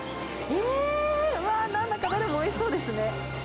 うわぁ、なんだか、どれもおいしそうですね。